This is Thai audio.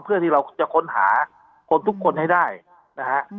เพื่อที่เราจะค้นหาคนทุกคนให้ได้นะฮะ